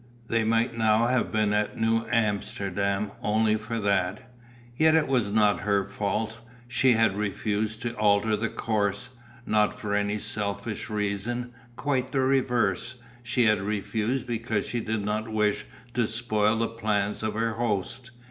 They might now have been at New Amsterdam only for that. Yet it was not her fault. She had refused to alter the course, not for any selfish reason, quite the reverse, she had refused because she did not wish to spoil the plans of her host.